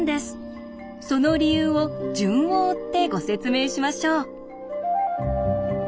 その理由を順を追ってご説明しましょう。